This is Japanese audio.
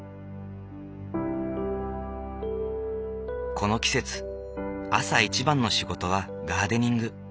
この季節朝一番の仕事はガーデニング。